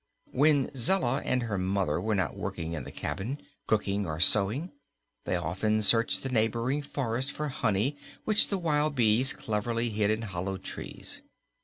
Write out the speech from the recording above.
When Zella and her mother were not working in the cabin, cooking or sewing, they often searched the neighboring forest for honey which the wild bees cleverly hid in hollow trees.